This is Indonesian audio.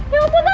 ya ampun tante